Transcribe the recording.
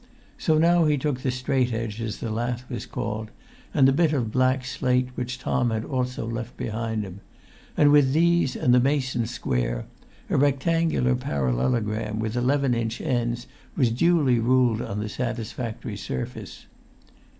So now he took the straight edge, as the lath was called, and the bit of black slate which Tom had also left behind him; and with these and the mason's square a rectangular parallelogram with eleven inch ends was duly ruled on the satisfactory surface.